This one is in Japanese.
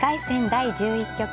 第１１局。